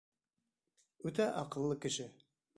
Үтә аҡыллы кеше.